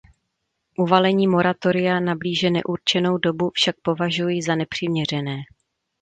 Uvalení moratoria na blíže neurčenou dobu však považuji za nepřiměřené.